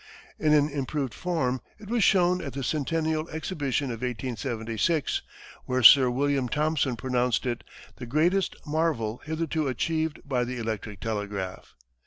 In an improved form, it was shown at the Centennial exhibition of 1876, where Sir William Thomson pronounced it "the greatest marvel hitherto achieved by the electric telegraph."